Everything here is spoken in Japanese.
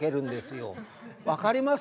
分かります？